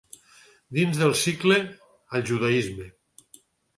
Dins del cicle “El judaisme.